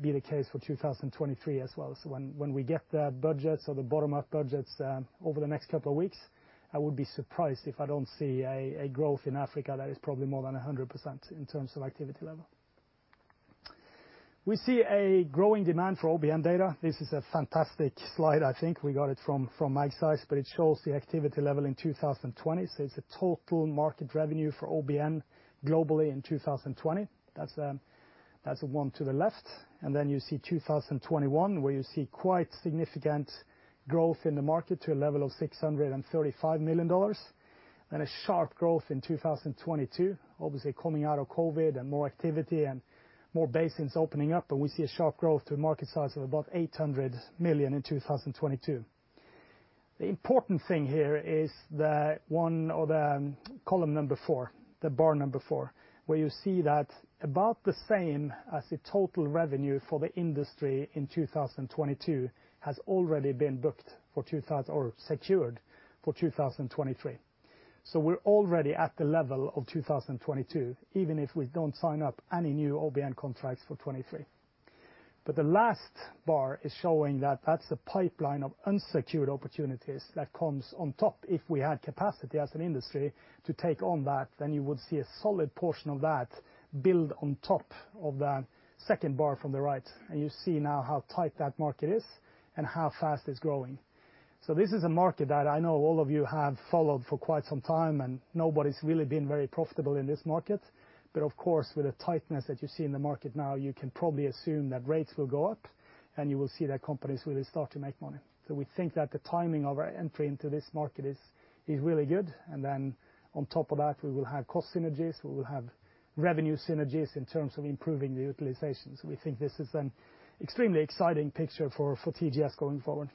be the case for 2023 as well. When we get the budgets or the bottom-up budgets over the next couple of weeks, I would be surprised if I don't see a growth in Africa that is probably more than 100% in terms of activity level. We see a growing demand for OBN data. This is a fantastic slide, I think. We got it from Magseis, but it shows the activity level in 2020. It's the total market revenue for OBN globally in 2020. That's the one to the left. You see 2021, where you see quite significant growth in the market to a level of $635 million and a sharp growth in 2022, obviously coming out of COVID and more activity and more basins opening up, and we see a sharp growth to a market size of about $800 million in 2022. The important thing here is the one or the column number four, the bar number four, where you see that about the same as the total revenue for the industry in 2022 has already been booked or secured for 2023. We're already at the level of 2022, even if we don't sign up any new OBN contracts for 2023. The last bar is showing that that's the pipeline of unsecured opportunities that comes on top. If we had capacity as an industry to take on that, then you would see a solid portion of that build on top of the second bar from the right, and you see now how tight that market is and how fast it's growing. This is a market that I know all of you have followed for quite some time, and nobody's really been very profitable in this market. Of course, with the tightness that you see in the market now, you can probably assume that rates will go up, and you will see that companies will start to make money. We think that the timing of our entry into this market is really good. On top of that, we will have cost synergies, we will have revenue synergies in terms of improving the utilizations. We think this is an extremely exciting picture for TGS going forward.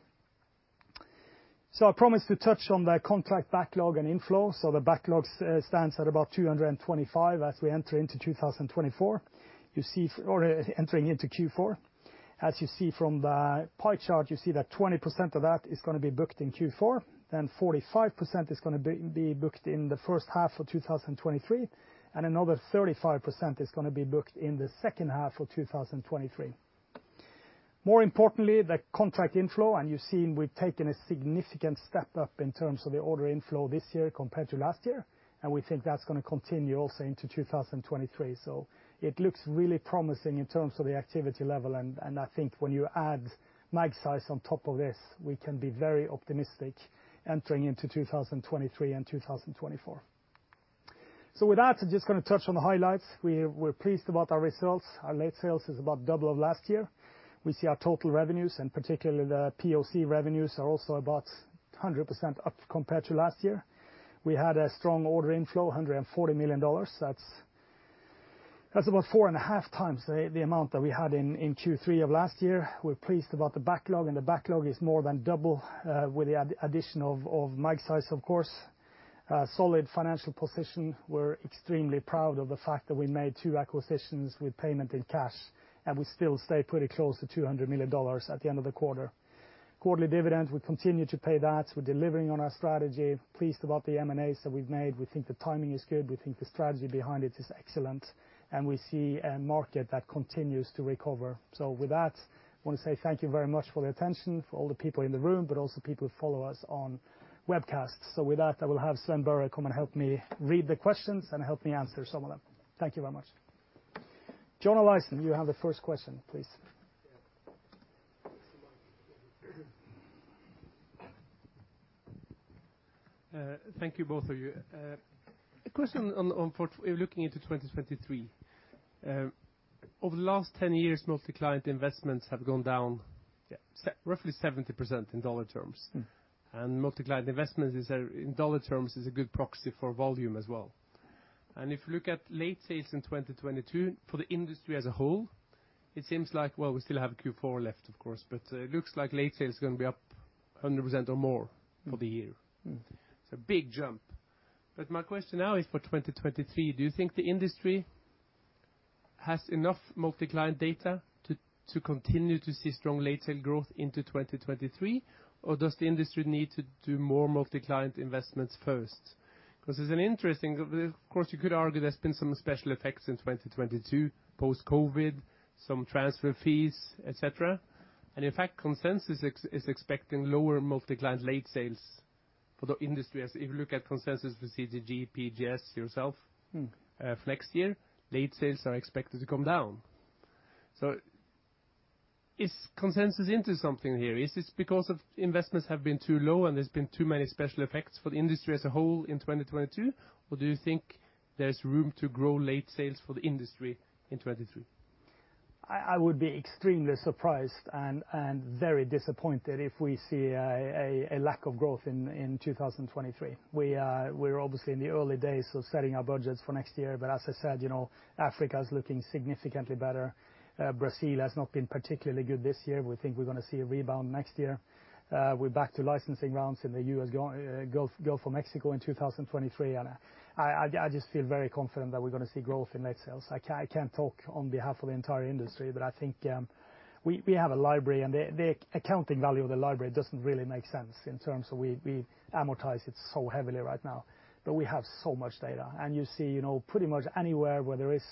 I promised to touch on the contract backlog and inflow. The backlog stands at about $225 million as we enter into 2024. You see or entering into Q4. As you see from the pie chart, you see that 20% of that is gonna be booked in Q4, then 45% is gonna be booked in the first half of 2024, and another 35% is gonna be booked in the second half of 2024. More importantly, the contract inflow, and you've seen we've taken a significant step up in terms of the order inflow this year compared to last year, and we think that's gonna continue also into 2023. It looks really promising in terms of the activity level, and I think when you add Magseis on top of this, we can be very optimistic entering into 2023 and 2024. With that, I'm just gonna touch on the highlights. We're pleased about our results. Our late sales is about double of last year. We see our total revenues, and particularly the POC revenues, are also about 100% up compared to last year. We had a strong order inflow, $140 million. That's about 4.5x the amount that we had in Q3 of last year. We're pleased about the backlog, and the backlog is more than double with the addition of Magseis, of course. Solid financial position. We're extremely proud of the fact that we made two acquisitions with payment in cash, and we still stay pretty close to $200 million at the end of the quarter. Quarterly dividend, we continue to pay that. We're delivering on our strategy. Pleased about the M&As that we've made. We think the timing is good. We think the strategy behind it is excellent, and we see a market that continues to recover. With that, I want to say thank you very much for the attention, for all the people in the room, but also people who follow us on webcast. With that, I will have Sven Børre Larsen come and help me read the questions and help me answer some of them. Thank you very much. John Olaisen, you have the first question, please. Thank you, both of you. A question on looking into 2023. Over the last 10 years, multi-client investments have gone down roughly 70% in dollar terms. Mm-hmm. Multi-client investments is in dollar terms a good proxy for volume as well. If you look at lease sales in 2022 for the industry as a whole, it seems like, well, we still have Q4 left, of course, but it looks like lease sale is gonna be up 100% or more for the year. Mm-hmm. It's a big jump. My question now is for 2023, do you think the industry has enough multi-client data to continue to see strong lease sale growth into 2023? Or does the industry need to do more multi-client investments first? Because it's an interesting. Of course, you could argue there's been some special effects in 2022, post-COVID, some transfer fees, et cetera. In fact, consensus is expecting lower multi-client lease sales for the industry. And if you look at consensus with CGG, PGS, TGS. Mm-hmm For next year, lease sales are expected to come down. Is consensus in on something here? Is this because investments have been too low and there's been too many special effects for the industry as a whole in 2022? Or do you think there's room to grow lease sales for the industry in 2023? I would be extremely surprised and very disappointed if we see a lack of growth in 2023. We're obviously in the early days of setting our budgets for next year, but as I said, you know, Africa is looking significantly better. Brazil has not been particularly good this year. We think we're gonna see a rebound next year. We're back to lease sales in the U.S. Gulf of Mexico in 2023, and I just feel very confident that we're gonna see growth in lease sales. I can't talk on behalf of the entire industry, but I think we have a library, and the accounting value of the library doesn't really make sense in terms of we amortize it so heavily right now. We have so much data. You see, you know, pretty much anywhere where there is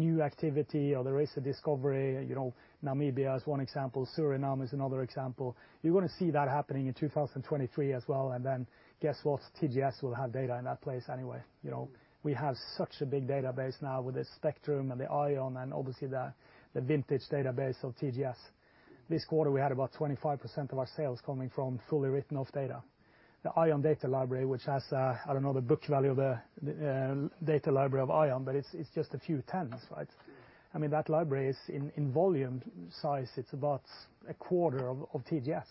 new activity or there is a discovery, you know, Namibia is one example, Suriname is another example. You're gonna see that happening in 2023 as well, and then guess what? TGS will have data in that place anyway, you know. We have such a big database now with the Spectrum and the ION and obviously the vintage database of TGS. This quarter, we had about 25% of our sales coming from fully written off data. The ION data library, which has a, I don't know the book value of the data library of ION, but it's just a few tens, right? I mean, that library is in volume size, it's about a quarter of TGS.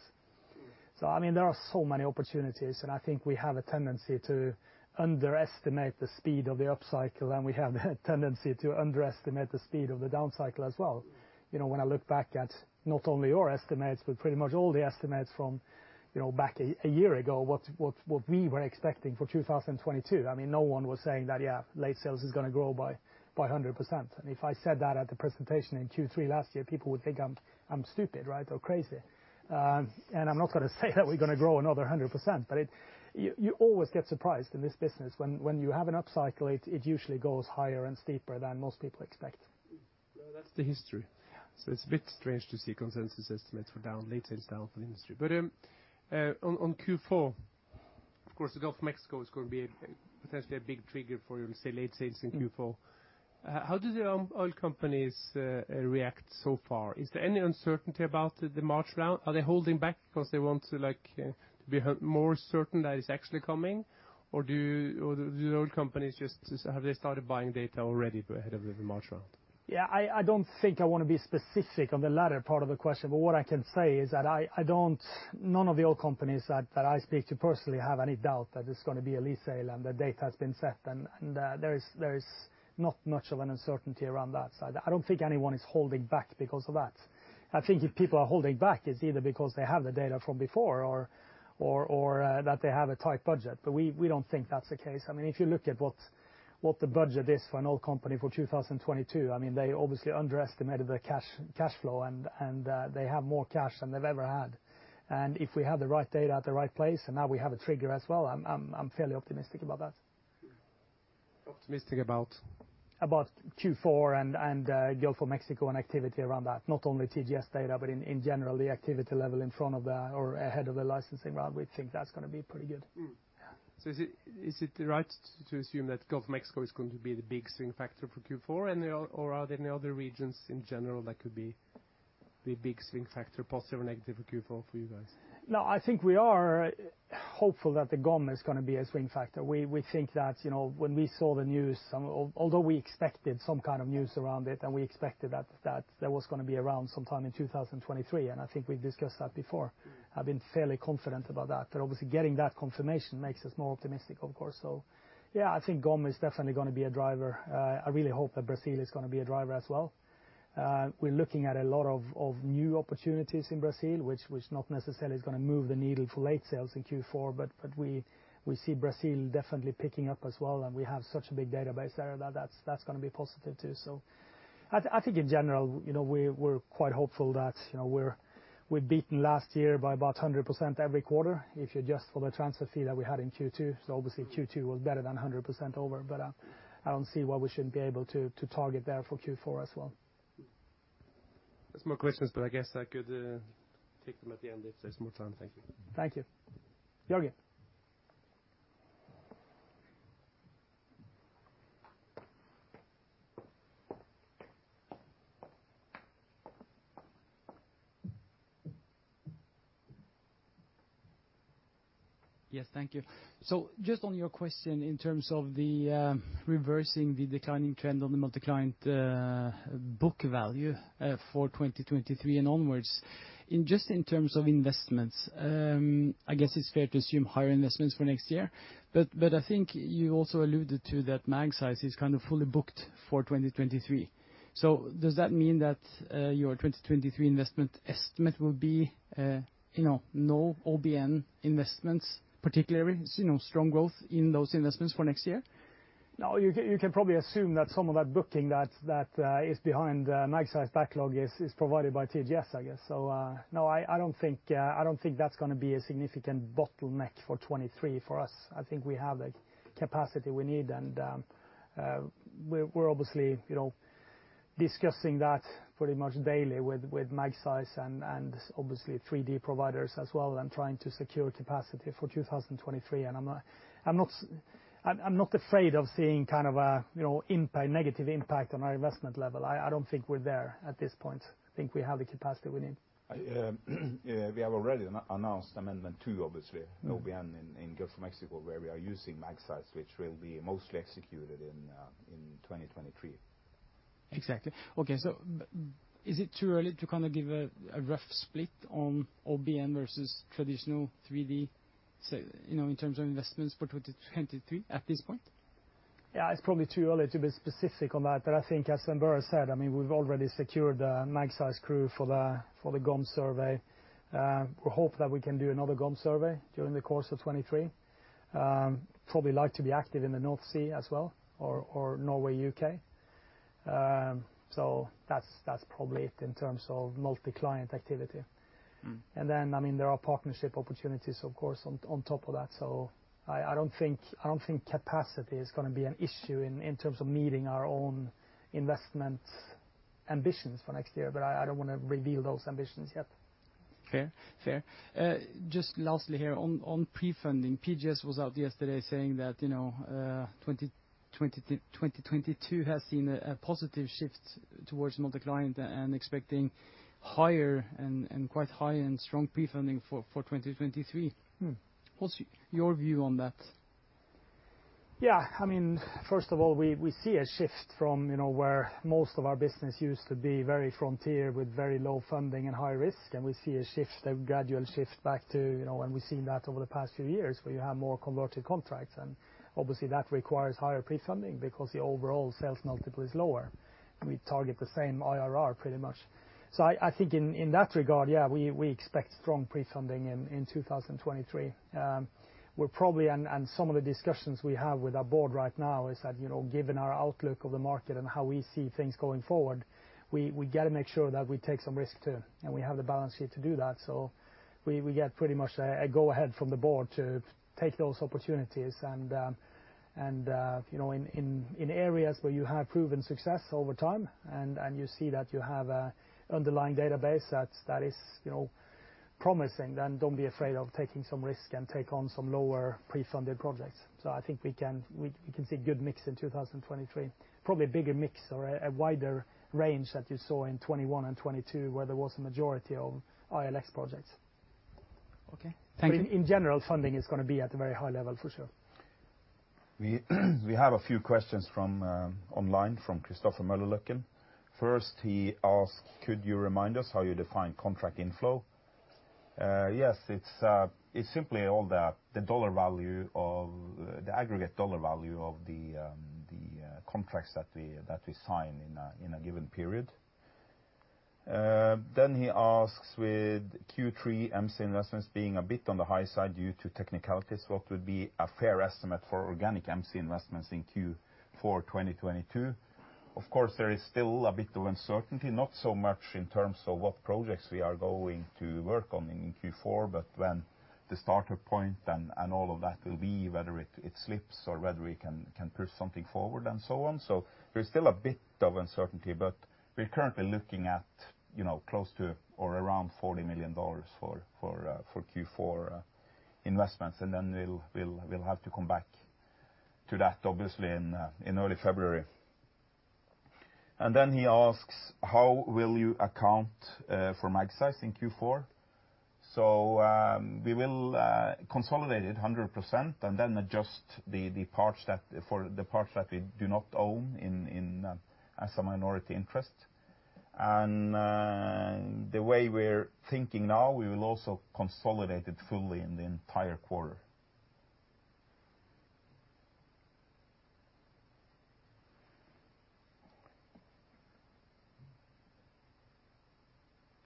I mean, there are so many opportunities, and I think we have a tendency to underestimate the speed of the upcycle, and we have a tendency to underestimate the speed of the downcycle as well. When I look back at not only your estimates, but pretty much all the estimates from, you know, back a year ago, what we were expecting for 2022, I mean, no one was saying that, yeah, lease sales is gonna grow by 100%. If I said that at the presentation in Q3 last year, people would think I'm stupid, right? Or crazy. I'm not gonna say that we're gonna grow another 100%. You always get surprised in this business. When you have an upcycle, it usually goes higher and steeper than most people expect. Well, that's the history. Yeah. It's a bit strange to see consensus estimates for down lease sales down for the industry. On Q4, of course, the Gulf of Mexico is gonna be potentially a big trigger for your, say, lease sales in Q4. Mm. How do the oil companies react so far? Is there any uncertainty about the March round? Are they holding back because they want to like be more certain that it's actually coming? Or the oil companies just have they started buying data already but ahead of the March round? Yeah, I don't think I wanna be specific on the latter part of the question. What I can say is that none of the oil companies that I speak to personally have any doubt that it's gonna be a lease sale and the date has been set. There is not much of an uncertainty around that. I don't think anyone is holding back because of that. I think if people are holding back, it's either because they have the data from before or that they have a tight budget. We don't think that's the case. I mean, if you look at what the budget is for an oil company for 2022, I mean, they obviously underestimated the cash flow and they have more cash than they've ever had. If we have the right data at the right place, and now we have a trigger as well, I'm fairly optimistic about that. Optimistic about? About Q4 and Gulf of Mexico and activity around that. Not only TGS data, but in general, the activity level ahead of the licensing round, we think that's gonna be pretty good. Mm. Yeah. Is it right to assume that Gulf of Mexico is going to be the big swing factor for Q4? Or are there any other regions in general that could be the big swing factor, positive or negative for Q4 for you guys? No, I think we are hopeful that the GOM is gonna be a swing factor. We think that, you know, when we saw the news, although we expected some kind of news around it, and we expected that there was gonna be a round sometime in 2023, and I think we've discussed that before. I've been fairly confident about that. Obviously getting that confirmation makes us more optimistic, of course. Yeah, I think GOM is definitely gonna be a driver. I really hope that Brazil is gonna be a driver as well. We're looking at a lot of new opportunities in Brazil, which not necessarily is gonna move the needle for late sales in Q4, but we see Brazil definitely picking up as well, and we have such a big database there that's gonna be positive too. I think in general, you know, we're quite hopeful that, you know, we've beaten last year by about 100% every quarter. If you adjust for the transfer fee that we had in Q2, obviously Q2 was better than 100% over. I don't see why we shouldn't be able to target there for Q4 as well. There's more questions, but I guess I could take them at the end if there's more time. Thank you. Thank you. [inaudible] Yes. Thank you. Just on your question in terms of the reversing the declining trend on the multi-client book value for 2023 and onwards. Just in terms of investments, I guess it's fair to assume higher investments for next year. But I think you also alluded to that Magseis is kind of fully booked for 2023. Does that mean that your 2023 investment estimate will be, you know, no OBN investments, particularly, you know, strong growth in those investments for next year? No, you can probably assume that some of that booking that is behind the Magseis backlog is provided by TGS, I guess. No, I don't think that's gonna be a significant bottleneck for 2023 for us. I think we have the capacity we need, and we're obviously, you know, discussing that pretty much daily with Magseis and obviously 3D providers as well and trying to secure capacity for 2023. I'm not afraid of seeing kind of a, you know, negative impact on our investment level. I don't think we're there at this point. I think we have the capacity we need. Yeah, we have already announced Amendment 2, obviously, OBN in Gulf of Mexico, where we are using Magseis, which will be mostly executed in 2023. Exactly. Okay. Is it too early to kind of give a rough split on OBN versus traditional 3D, say, you know, in terms of investments for 2023 at this point? Yeah, it's probably too early to be specific on that. I think as Sven Børre Larsen said, I mean, we've already secured the Magseis crew for the GOM survey. We hope that we can do another GOM survey during the course of 2023. Probably like to be active in the North Sea as well or Norway/U.K. That's probably it in terms of multi-client activity. Mm. I mean, there are partnership opportunities of course on top of that. I don't think capacity is gonna be an issue in terms of meeting our own investment ambitions for next year. But I don't wanna reveal those ambitions yet. Fair. Just lastly here on prefunding. PGS was out yesterday saying that, you know, 2022 has seen a positive shift towards multi-client and expecting higher and quite high end strong prefunding for 2023. Mm. What's your view on that? Yeah, I mean, first of all, we see a shift from, you know, where most of our business used to be very frontier with very low funding and high risk. We see a shift, a gradual shift back to, you know, and we've seen that over the past few years, where you have more converted contracts and obviously that requires higher prefunding because the overall sales multiple is lower. We target the same IRR pretty much. I think in that regard, yeah, we expect strong prefunding in 2023. Some of the discussions we have with our board right now is that, you know, given our outlook of the market and how we see things going forward, we gotta make sure that we take some risk too, and we have the balance sheet to do that. We get pretty much a go ahead from the board to take those opportunities and you know in areas where you have proven success over time and you see that you have an underlying database that's you know promising then don't be afraid of taking some risk and take on some lower prefunded projects. I think we can see good mix in 2023. Probably a bigger mix or a wider range that you saw in 2021 and 2022 where there was a majority of ILX projects. Okay. Thank you. In general, funding is gonna be at a very high level for sure. We have a few questions from online from Christopher Møllerløkken. First, he asked, "Could you remind us how you define contract inflow?" Yes, it's simply all the dollar value of the aggregate dollar value of the contracts that we sign in a given period. Then he asks, "With Q3 MC investments being a bit on the high side due to technicalities, what would be a fair estimate for organic MC investments in Q4 2022?" Of course, there is still a bit of uncertainty, not so much in terms of what projects we are going to work on in Q4, but when the starting point and all of that will be, whether it slips or whether we can push something forward and so on. There's still a bit of uncertainty, but we're currently looking at, you know, close to or around $40 million for Q4 investments. We'll have to come back to that obviously in early February. He asks, "How will you account for Magseis in Q4?" We will consolidate it 100% and then adjust the parts that we do not own in as a minority interest. The way we're thinking now, we will also consolidate it fully in the entire quarter.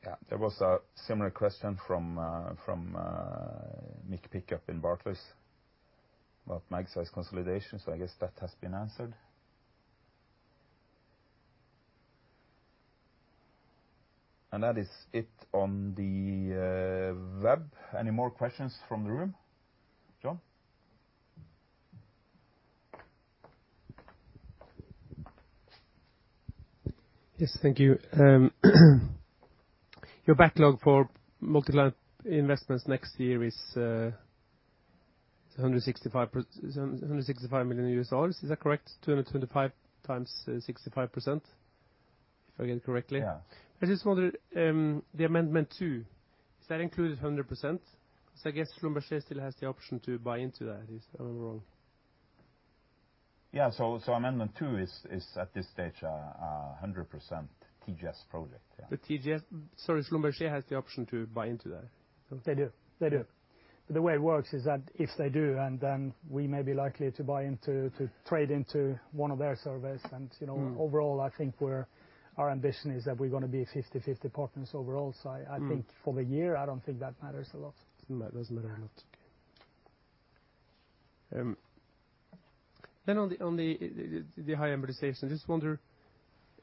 Yeah. There was a similar question from Mick Pickup in Barclays about Magseis consolidation, so I guess that has been answered. That is it on the web. Any more questions from the room? John? Yes. Thank you. Your backlog for multi-client investments next year is $165 million. Is that correct? 225x 65%, if I get it correctly. Yeah. I just wonder, the Amendment 2, is that included 100%? I guess Schlumberger still has the option to buy into that. Is that wrong? Yeah. Amendment 2 is at this stage a 100% TGS project, yeah. Sorry, Schlumberger has the option to buy into that? They do. Yeah. The way it works is that if they do, and then we may be likely to buy into, to trade into one of their surveys. Mm. You know, overall, I think we're our ambition is that we're gonna be 50/50 partners overall. Mm. I think for the year, I don't think that matters a lot. No, it doesn't matter a lot. On the high amortization, I just wonder,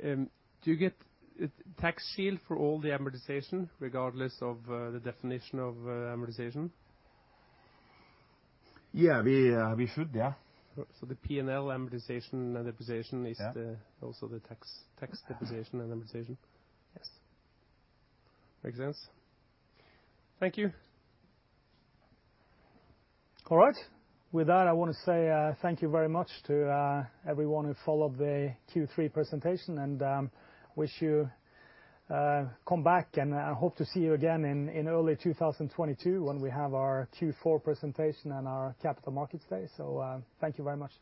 do you get a tax shield for all the amortization regardless of the definition of amortization? Yeah. We should, yeah. The P&L amortization and depreciation. Yeah Is also the tax depreciation and amortization? Yes. Makes sense. Thank you. All right. With that, I want to say thank you very much to everyone who followed the Q3 presentation and wish you come back. I hope to see you again in early 2022 when we have our Q4 presentation and our capital markets day. Thank you very much.